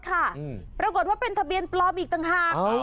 ปรากฏว่าเป็นทะเบียนปลอมอีกต่างหาก